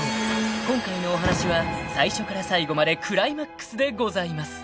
［今回のお話は最初から最後までクライマックスでございます］